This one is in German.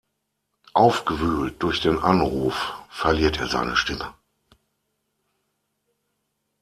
Aufgewühlt durch den Anruf verliert er seine Stimme.